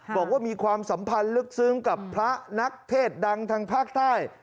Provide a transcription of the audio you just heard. บอกว่ามีความสัมพันธ์ลึกซึ้งกับพระนักเทศดังทางภาคใต้